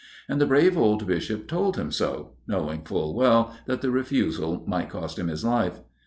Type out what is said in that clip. And the brave old Bishop told him so, knowing full well that the refusal might cost him his life.